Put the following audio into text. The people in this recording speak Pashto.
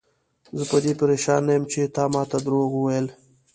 زه په دې پریشان نه یم چې تا ماته دروغ وویل.